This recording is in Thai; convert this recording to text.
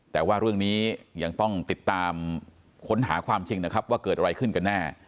แต่ว่าเรื่องนี้ยังต้องติดตามค้นหาความจริงนะครับว่าเกิดอะไรขึ้นกันแน่